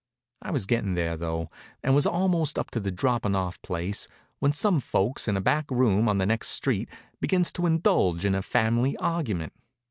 I was gettin' there though, and was almost up to the droppin' off place, when some folks in a back room on the next street begins to indulge in a family argument.